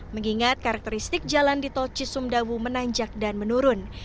mengingat karakteristik jalan di tol cisumdawu menanjak dan menurun